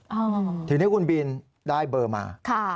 ถึงที่นี่คุณบินได้เบอร์มา